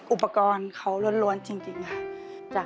อุปกรณ์เขาล้วนจริงค่ะ